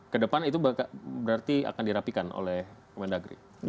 kedepan itu berarti akan dirapikan oleh mendagri